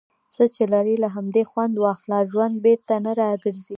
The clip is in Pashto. څۀ چې لرې، له همدې خؤند واخله. ژؤند بیرته نۀ را ګرځي.